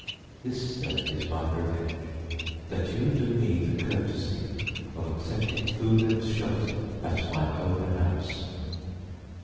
"This, then, is my revenge, that you do me the courtesy of accepting food and shelter at my own house."